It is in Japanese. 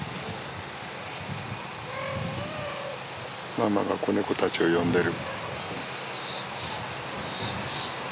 ママが子ネコたちを呼んでる。